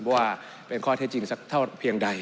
ว่าเป็นข้อเท็จจริงสักเท่าเพียงใด